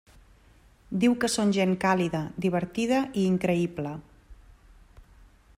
Diu que són gent càlida, divertida i increïble.